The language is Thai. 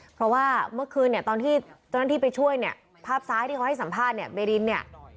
เพราะว่าเมื่อคืนตอนที่ไปช่วยภาพซ้ายที่เขาให้สัมภาษณ์เบริน